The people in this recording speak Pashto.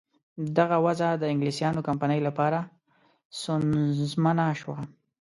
دغه وضع د انګلیسیانو کمپنۍ لپاره سونسزمه شوه.